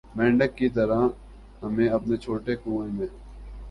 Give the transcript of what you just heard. مینڈک کی طرح ہمیں اپنے چھوٹے کنوئیں میں